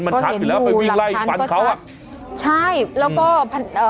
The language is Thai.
มันหาทฟรีกันแล้วไปวิงไล่ปัญชาวะใช่แล้วก็เอ่อ